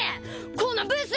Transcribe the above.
このブス！